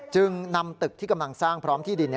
จึงนำตึกที่กำลังสร้างพร้อมที่ดิน